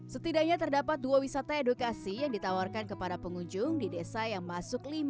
setidaknya terdapat dua wisata edukasi yang ditawarkan kepada pengunjung di desa yang masuk